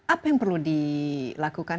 apa yang perlu dilakukan